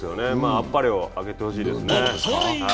あっぱれをあげてほしいですね。